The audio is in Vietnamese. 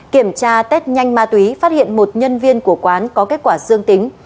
kiểm tra test nhanh ma túy phát hiện một nhân viên của quán có kết quả dương tính